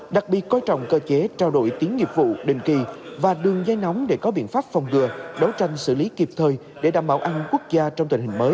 đặc biệt coi trọng cơ chế trao đổi tiếng nghiệp vụ định kỳ và đường dây nóng để có biện pháp phòng ngừa đấu tranh xử lý kịp thời để đảm bảo an quốc gia trong tình hình mới